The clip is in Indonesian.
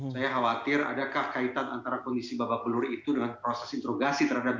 saya khawatir adakah kaitan antara kondisi babak belur itu dengan proses interogasi terhadap